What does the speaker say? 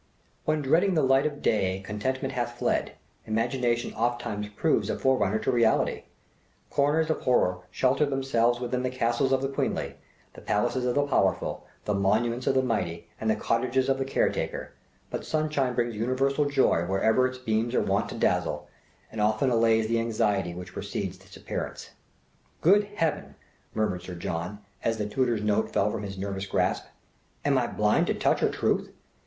When dreading the light of day contentment hath fled; imagination oftentimes proves a forerunner to reality; corners of horror shelter themselves within the castles of the queenly, the palaces of the powerful, the monuments of the mighty, and the cottages of the caretaker; but sunshine brings universal joy wherever its beams are wont to dazzle, and often allays the anxiety which precedes its appearance. "Great heaven!" murmured Sir John, as the tutor's note fell from his nervous grasp, "Am I blind to touch or truth?